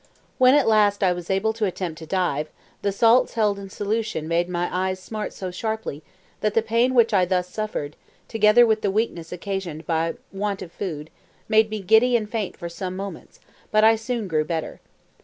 When at last I was able to attempt to dive, the salts held in solution made my eyes smart so sharply, that the pain which I thus suffered, together with the weakness occasioned by want of food, made me giddy and faint for some moments, but I soon grew better.